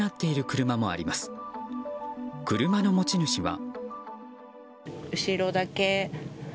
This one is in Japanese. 車の持ち主は。